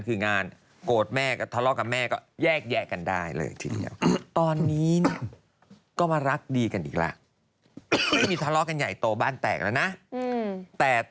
เพิ่งมีแฟนพี่หนุ่มคนเดียวกันหรือเปล่า